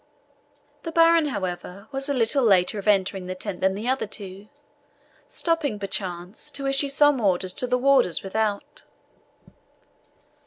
The baron, however, was a little later of entering the tent than the other two, stopping, perchance, to issue some orders to the warders without.